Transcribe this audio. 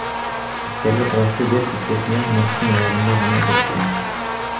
Аскерлер талаштуу жер тилкесинен марттын аягында гана кетишкен.